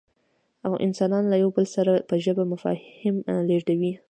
انسانان له یو بل سره په ژبه مفاهیم لېږدوي.